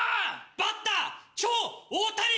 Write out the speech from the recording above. バッター超大谷！